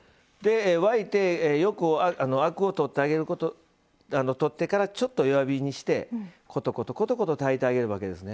沸いてよくアクを取ってからちょっと弱火にしてコトコト、コトコト炊いてあげるわけですね。